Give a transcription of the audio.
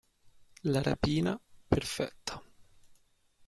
La rapina perfetta